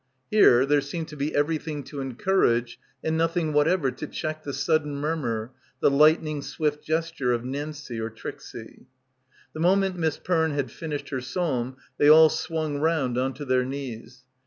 Here there seemed to be everything to encourage and nothing whatever to check the sudden mur mur, the lightning swift gesture of Nancie or rn • Tnxie. The moment Miss Perne had finished her psalm they all swung round on to their knees.